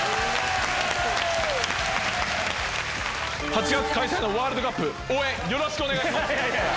８月開催のワールドカップ応援よろしくお願いします！